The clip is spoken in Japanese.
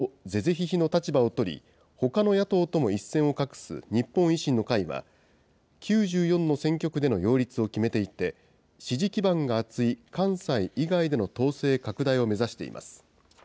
また、政権と是々非々の立場を取り、ほかの野党とも一線を画す日本維新の会は、９４の選挙区での擁立を決めていて、支持基盤が厚い関西以外での党勢拡大を目指しています。